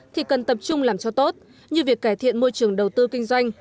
thì cần tập trung làm cho tốt như việc cải thiện môi trường đầu tư kinh doanh